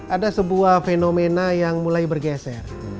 ada sebuah fenomena yang mulai bergeser